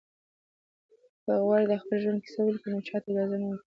که غواړئ د خپل ژوند کیسه ولیکئ نو چاته اجازه مه ورکوئ.